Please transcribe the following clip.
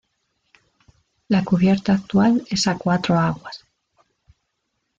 La cubierta actual es a cuatro aguas.